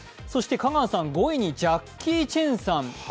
そして香川さん、５位にジャッキー・チェンさん。